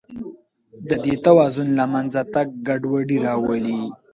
د دې توازن له منځه تګ ګډوډي راولي.